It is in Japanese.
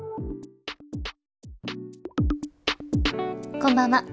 こんばんは。